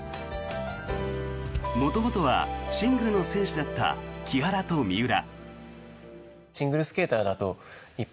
元々はシングルの選手だった木原と三浦。